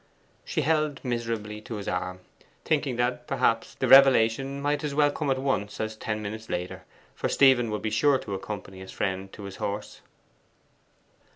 She held miserably to his arm, thinking that, perhaps, the revelation might as well come at once as ten minutes later, for Stephen would be sure to accompany his friend to his horse.